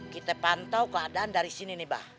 kita pantau keadaan dari sini nih mbak